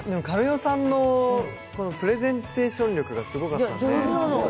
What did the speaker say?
神尾さんのプレゼンテーション力がすごかったですね。